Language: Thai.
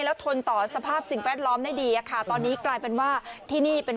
แล้วทนต่อสภาพสิ่งแวดล้อมได้ดีอะค่ะตอนนี้กลายเป็นว่าที่นี่เป็น